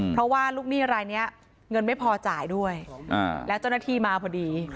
เพราะว่าลูกหนี้รายนี้เงินไม่พอจ่ายด้วยแล้วเจ้าหน้าที่มาพอดี